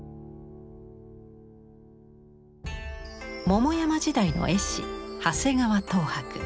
桃山時代の絵師長谷川等伯。